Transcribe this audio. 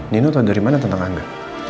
nino tahu dari mana tentang angga